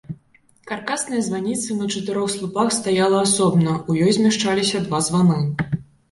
Каркасная званіца на чатырох слупах стаяла асобна, у ёй змяшчаліся два званы.